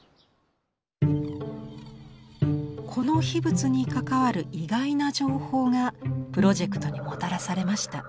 この秘仏に関わる意外な情報がプロジェクトにもたらされました。